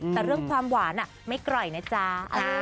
แต่เรื่องความหวานไม่ไกลนะจ้า